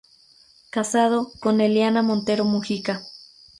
Casado con "Eliana Montero Mujica".